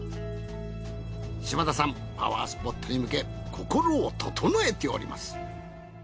島田さんパワースポットに向け心を整えております。